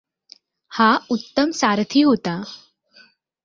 हा उत्तम सारथी होता.